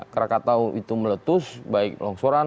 krakatau itu meletus baik longsoran